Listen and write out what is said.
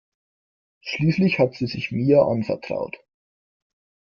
Schließlich hat sie sich Mia anvertraut.